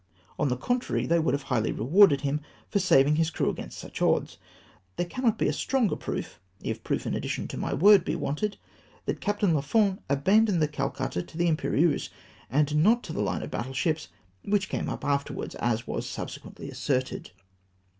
On the contrary, they would have highly rewarded him, for saving his crew against such odds. There cannot be a stronger proof, if proof in addition to my word be wanted, that Captain Lafon abandoned the Calcutta to the Imperieuse, and not to the hne of battle ships which came up afterwards, as was subse quently asserted.